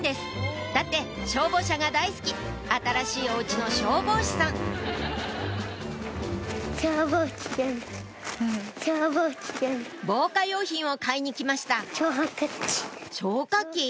だって消防車が大好き新しいお家の消防士さん防火用品を買いに来ました消火器？